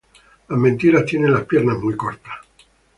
Las mentiras tienen las piernas muy cortas